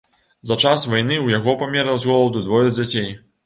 За час вайны ў яго памерла з голаду двое дзяцей.